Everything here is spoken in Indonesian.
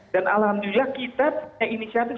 dan alhamdulillah kita punya inisiatif